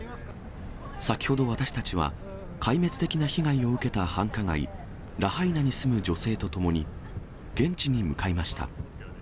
先ほど、私たちは壊滅的な被害を受けた繁華街、ラハイナに住む女性と共に、現地に向かいました。